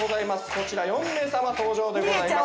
こちら４名様登場でございます。